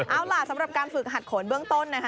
เอาล่ะสำหรับการฝึกหัดขนเบื้องต้นนะคะ